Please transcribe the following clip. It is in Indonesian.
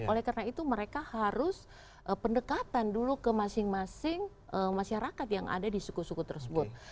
oleh karena itu mereka harus pendekatan dulu ke masing masing masyarakat yang ada di suku suku tersebut